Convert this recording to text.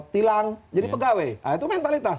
tilang jadi pegawai nah itu mentalitas